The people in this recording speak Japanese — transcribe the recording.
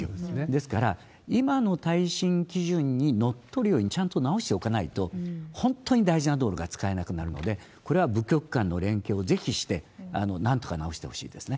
ですから、今の耐震基準にのっとるように、ちゃんと直しておかないと、本当に大事な道路が使えなくなるので、これは部局間の連係をぜひして、なんとか直してほしいですね。